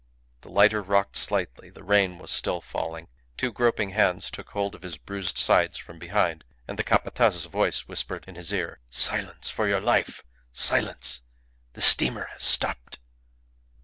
The lighter rocked slightly; the rain was still falling. Two groping hands took hold of his bruised sides from behind, and the Capataz's voice whispered, in his ear, "Silence, for your life! Silence! The steamer has stopped."